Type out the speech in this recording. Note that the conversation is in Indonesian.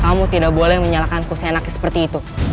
kamu tidak boleh menyalakanku seenak seperti itu